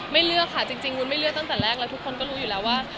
เลือกค่ะจริงวุ้นไม่เลือกตั้งแต่แรกแล้วทุกคนก็รู้อยู่แล้วว่า